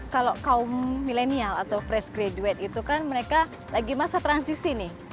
kalau kaum milenial atau fresh graduate itu kan mereka lagi masa transisi nih